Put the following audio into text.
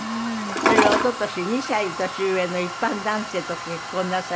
それは一昨年２歳年上の一般男性と結婚なさいまして。